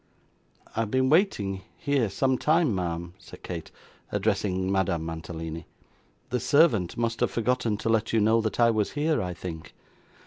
'I have been waiting, here some time, ma'am,' said Kate, addressing Madame Mantalini. 'The servant must have forgotten to let you know that I was here, I think.